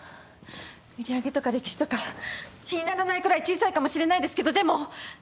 売り上げとか歴史とか比にならないくらい小さいかもしれないですけどでも。